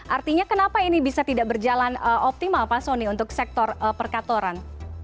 artinya kenapa ini bisa tidak berjalan optimal pak soni untuk sektor perkantoran